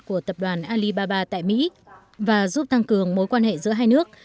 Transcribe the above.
của tập đoàn alibaba tại mỹ và giúp tăng cường mối quan hệ giữa hai nước